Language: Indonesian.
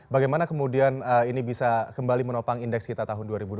bagaimana kemudian ini bisa kembali menopang indeks kita tahun dua ribu dua puluh